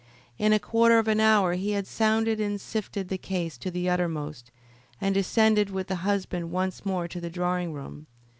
In a quarter of an hour he had sounded and sifted the case to the uttermost, and descended with the husband once more to the drawing room.